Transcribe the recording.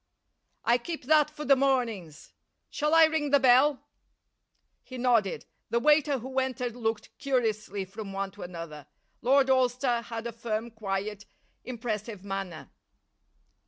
"I keep that for the mornings. Shall I ring the bell?" He nodded. The waiter who entered looked curiously from one to another. Lord Alcester had a firm, quiet, impressive manner.